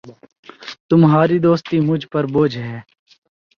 تمہاری دوستی مجھ پر بوجھ ہے